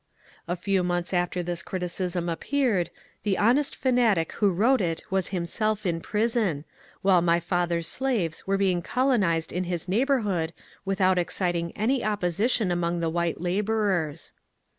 A few months after this criticism appeared, the honest fanatic who wrote it was himself in prison, while my father's slaves were being colonized in his neighbourhood without ex citing any opposition among the white labourers.